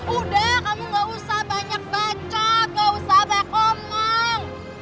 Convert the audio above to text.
udah kamu nggak usah banyak baca nggak usah banyak ngomong